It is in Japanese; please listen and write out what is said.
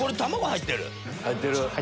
入ってる！